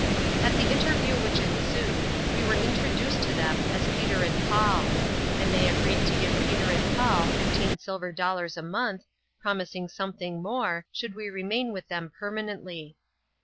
At the interview which ensued, we were introduced to them as Peter and Paul ; and they agreed to give Peter and Paul fifteen silver dollars a month, promising something more, should we remain, with them permanently.